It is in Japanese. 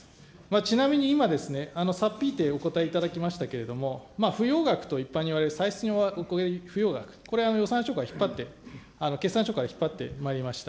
ちなみに今ですね、差っ引いてお答えいただきましたけれども、不用額と一般にいわれる歳出は不用額、これは予算書から引っ張って、決算書から引っ張ってまいりました。